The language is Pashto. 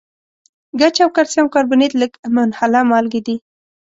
ګچ او کلسیم کاربونیټ لږ منحله مالګې دي.